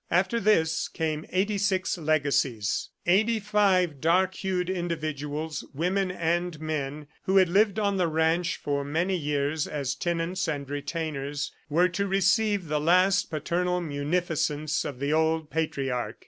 After this, came eighty six legacies. Eighty five dark hued individuals (women and men), who had lived on the ranch for many years as tenants and retainers, were to receive the last paternal munificence of the old patriarch.